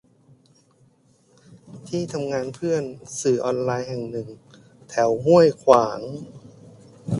ที่ทำงานเพื่อน สื่อออนไลน์แห่งหนึ่ง แถวห้วยขวาง